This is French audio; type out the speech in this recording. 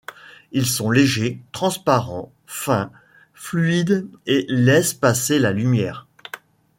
Ils sont légers, transparents, fins, fluides et laissent passer la lumière.